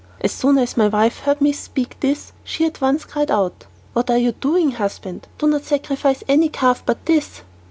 As soon as my wife heard me speak this she at once cried out, "What are you doing, husband? Do not sacrifice any calf but this."